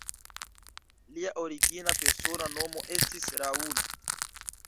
Lia origina persona nomo estis "Raoul".